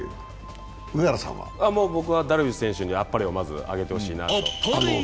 僕はダルビッシュ選手にあっぱれをまずあげてほしいなと。